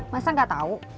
masa gak tau